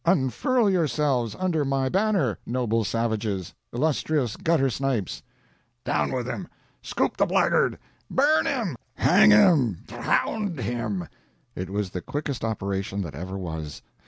Unfurl yourselves under my banner, noble savages, illustrious guttersnipes " "Down wid him!" "Scoop the blaggard!" "Burn him!" "Hang him!" "Dhround him!" It was the quickest operation that ever was.